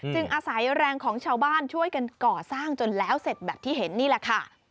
อาศัยแรงของชาวบ้านช่วยกันก่อสร้างจนแล้วเสร็จแบบที่เห็นนี่แหละค่ะ